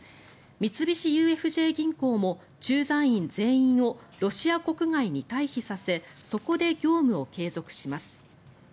三菱ＵＦＪ銀行も、駐在員全員をロシア国外に退避させそこで業務を継続します。